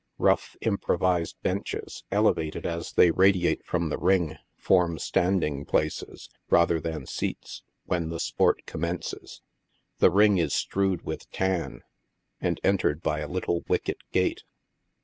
Eough, improvised benches, elevated as they radi ate from the ring, form standing places, rather than scats, when the sport commences. The ring is strewed with tan, and entered by a little wicket gate.